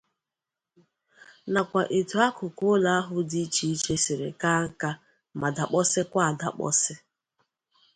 nakwa etu akụkụ ụlọ ahụ dị iche iche siri kaa nka ma dàkpọsịkwa adakpọsị